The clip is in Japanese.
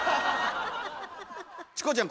チコちゃん